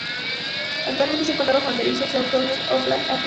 Actualmente es un condado fronterizo con Sør-Trøndelag, Oppland y Akershus.